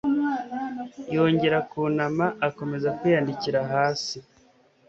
Yongera kunama akomeza kwiyandikira hasi.